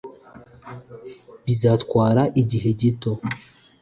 bizatwara igihe gito,